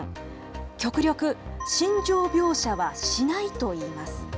極力、心情描写はしないといいます。